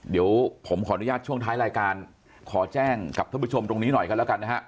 เดี๋ยวผมขออนุญาตช่วงท้ายรายการขอแจ้งกับท่านผู้ชมตรงนี้หน่อยกันแล้วกันนะฮะ